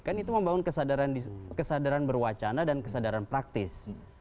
kan itu membangun kesadaran berwacana dan kesadaran praktis